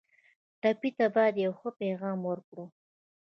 ټپي ته باید یو ښه پیغام ورکړو.